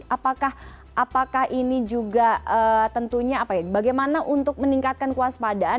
apakah ini juga tentunya bagaimana untuk meningkatkan kewaspadaan